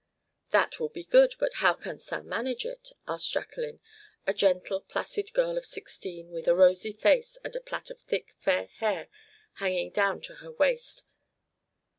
"That will be good, but how canst thou manage it?" asked Jacqueline, a gentle, placid girl of sixteen, with a rosy face and a plait of thick, fair hair hanging down to her waist.